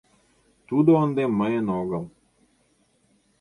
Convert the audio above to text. Тудо ынде мыйын огыл...